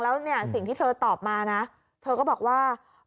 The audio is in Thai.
แล้วเนี่ยสิ่งที่เธอตอบมานะเธอก็บอกว่า